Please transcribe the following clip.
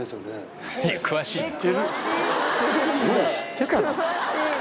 詳しいな。